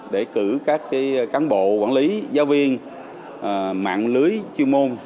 để cử các cán bộ quản lý giáo viên mạng lưới chuyên môn